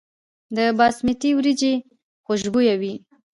د باسمتي وریجې خوشبويه وي.